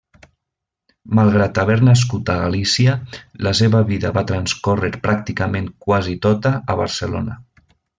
Malgrat haver nascut a Galícia, la seva vida va transcórrer pràcticament quasi tota a Barcelona.